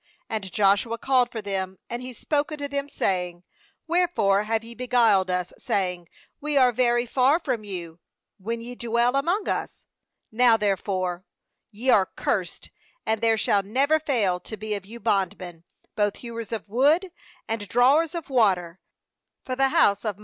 ^And Joshua called for them, and he spoke unto them, saying: 'Wherefore have ye beguiled us, saying: We are very far from you, when ye dwell among us? ^Now therefore ye are cursed, and there shall never fail to be of you bondmen, both hewers of wood and drawers of water for the house of 271 9.